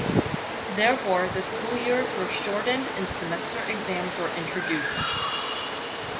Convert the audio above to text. Therefore, the school years were shortened and semester exams were introduced.